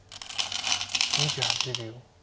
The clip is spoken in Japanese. ２８秒。